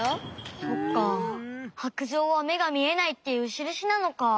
そっか白杖はめがみえないっていうしるしなのか。